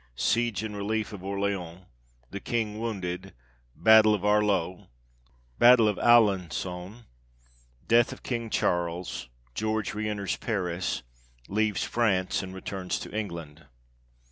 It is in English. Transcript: Siege and Relief of Orleans. The King wounded. Battle of Arleux. Battle of Alengon. Death of King Charles. George re enters Paris. Leaves France, and returns to England.